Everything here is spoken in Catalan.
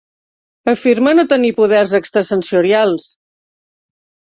Afirma no tenir poders extrasensorials.